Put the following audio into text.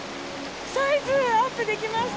サイズアップできました。